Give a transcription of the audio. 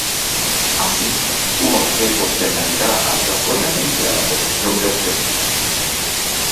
Así un objeto se añadirá aleatoriamente a la colección de objetos.